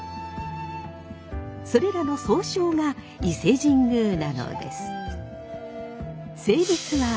それらの総称が伊勢神宮なのです。